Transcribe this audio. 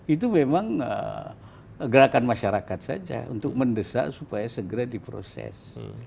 itu memang gerakan masyarakat saja untuk mendesak supaya segera diproses